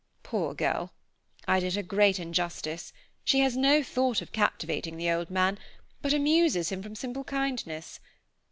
Poor girl! I did her great injustice; she has no thought of captivating the old man, but amuses him from simple kindness.